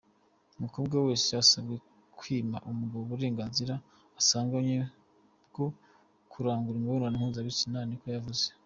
"Umukobwa wese asabwe kwima umugabo uburenganzira asanganywe bwo kurangura imibonano mpuzabitsina", niko yavuze.